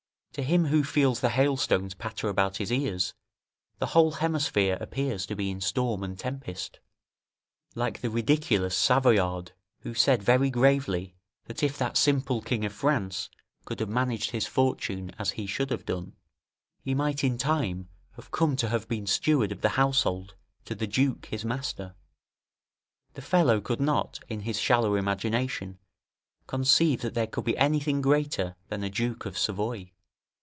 To him who feels the hailstones patter about his ears, the whole hemisphere appears to be in storm and tempest; like the ridiculous Savoyard, who said very gravely, that if that simple king of France could have managed his fortune as he should have done, he might in time have come to have been steward of the household to the duke his master: the fellow could not, in his shallow imagination, conceive that there could be anything greater than a Duke of Savoy.